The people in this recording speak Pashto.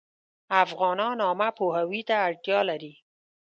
افغانان عامه پوهاوي ته اړتیا لري